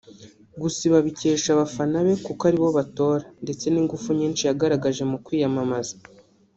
Gusa ibi abikesha abafana be kuko aribo batora ndetse n’ingufu nyinshi yagaragaje mu kwiyamamaza